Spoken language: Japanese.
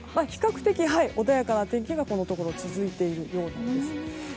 比較的穏やかな天気がこのところ続いているようなんです。